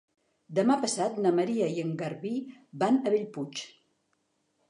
Demà passat na Maria i en Garbí van a Bellpuig.